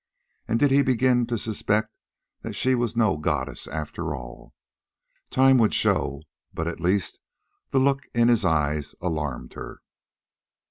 And did he begin to suspect that she was no goddess after all? Time would show, but at least the look in his eyes alarmed her.